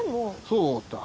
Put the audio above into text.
そうだ。